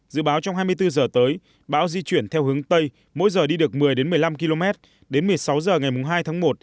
dự báo trong hai mươi bốn giờ tới bão di chuyển theo hướng tây mỗi giờ đi được một mươi một mươi năm km đến một mươi sáu h ngày hai tháng một